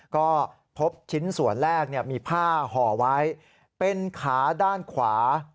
ก็พบชิ้นส่วนแรกมีผ้าห่อไว้เป็นขาด้านขวา